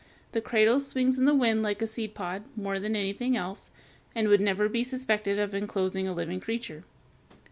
The cradle swings in the wind like a seed pod, more than anything else, and would never be suspected as inclosing a living creature.